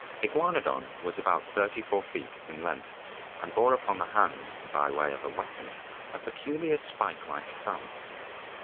Iguanodon was about 34 feet in length and bore upon the hand by way of weapon a peculiar spike like thumb.